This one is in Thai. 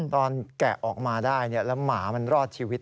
แกะออกมาได้แล้วหมามันรอดชีวิต